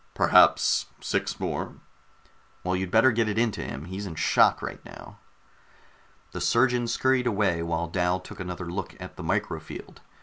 "Perhaps six more." "Well, you'd better get it into him. He's in shock right now." The surgeon scurried away while Dal took another look at the micro field.